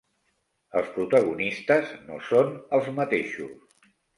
Els protagonistes no són els mateixos.